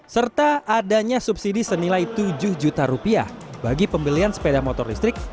serta adanya subsidi senilai tujuh juta rupiah bagi pembelian sepeda motor listrik